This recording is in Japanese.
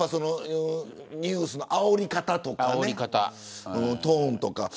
ニュースのあおり方とかトーンとか。